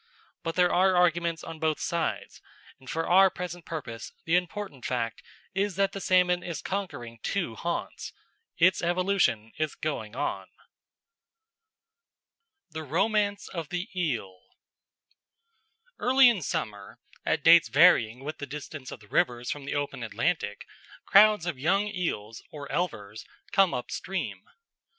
But there are arguments on both sides, and, for our present purpose, the important fact is that the salmon is conquering two haunts. Its evolution is going on. The Romance of the Eel Early in summer, at dates varying with the distance of the rivers from the open Atlantic, crowds of young eels or elvers come up stream.